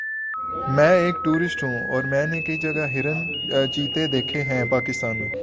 میں ایک ٹورسٹ ہوں اور میں نے کئی جگہ ہرن چیتے دیکھے ہے پاکستان میں